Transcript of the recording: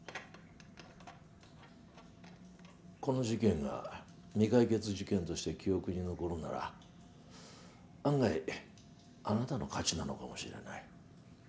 この事件が未解決事件として記憶に残るなら案外あなたの勝ちなのかもしれない。